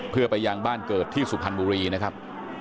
เพื่อไปยังบ้านเกิดที่สุพรรณบุรีนะครับ